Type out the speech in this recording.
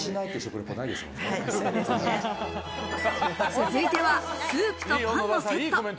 続いてはスープとパンのセット。